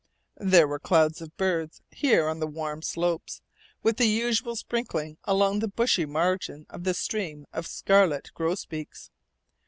There were clouds of birds here on the warm slopes, with the usual sprinkling along the bushy margin of the stream of scarlet grosbeaks.